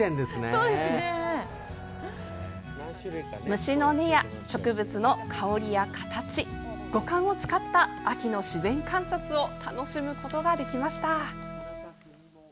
虫の音や植物の香りや形五感を使った秋の自然観察を楽しむことができました。